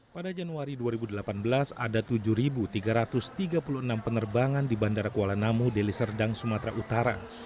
pada januari dua ribu delapan belas ada tujuh tiga ratus tiga puluh enam penerbangan di bandara kuala namu deliserdang sumatera utara